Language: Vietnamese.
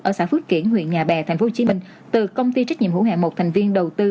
ở xã phước kiển huyện nhà bè tp hcm từ công ty trách nhiệm hữu hạng một thành viên đầu tư